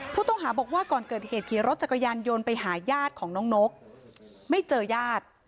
ผู้ต้องหาบอกว่าก่อนเกิดเหตุขี่รถจักรยานยนต์ไปหาญาติของน้องนกไม่เจอญาติ